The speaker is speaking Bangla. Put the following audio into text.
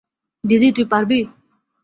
দিদি, তুই পারবি?